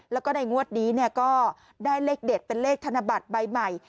แล้วก็ในงวดนี้ก็ได้เลขเด็ดเป็นเลขธนบัตรใบใหม่